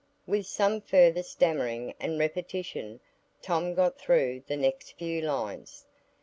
With some further stammering and repetition, Tom got through the next few lines.